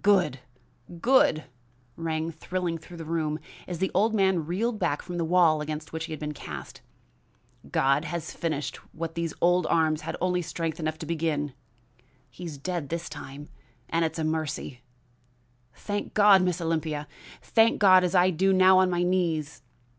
"Good! Good!" rang thrilling through the room, as the old man reeled back from the wall against which he had been cast. "God has finished what these old arms had only strength enough to begin. He is dead this time, and it's a mercy! Thank God, Miss Olympia! thank God as I do now on my knees!"